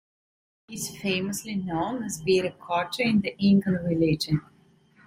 He is famously known as Viracocha in the Incan religion.